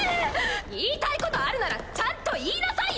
言いたいことあるならちゃんと言いなさいよ！